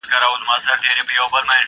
د ځنګله په پاچهي کي هر څه کېږي!!!!!